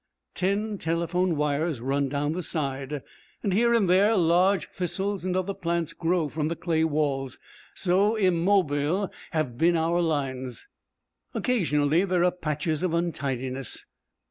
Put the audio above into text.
Ten telephone wires run down the side. Here and there large thistles and other plants grow from the clay walls, so immobile have been our lines. Occasionally there are patches of untidiness.